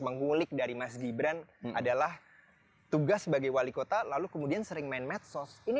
mengulik dari mas gibran adalah tugas sebagai wali kota lalu kemudian sering main medsos ini